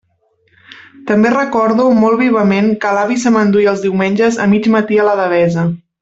També recordo molt vivament que l'avi se m'enduia els diumenges a mig matí a la Devesa.